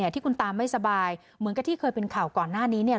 ที่คุณตาไม่สบายเหมือนกับที่เคยเป็นข่าวก่อนหน้านี้เนี่ย